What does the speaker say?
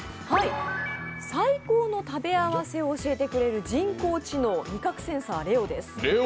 最高の食べ合わせを教えてくれる人工知能、味覚センサーレオです。